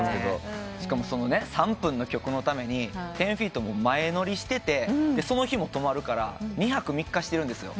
しかも３分の曲のために１０−ＦＥＥＴも前乗りしててその日も泊まるから２泊３日してるんですよ。